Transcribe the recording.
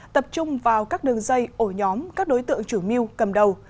tập trung vào các đường dây ổ nhóm các đối tượng chủ mưu cầm đầu